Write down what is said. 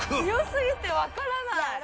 強すぎてわからない。